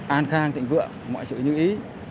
an khang tịnh vượng mọi sự như ý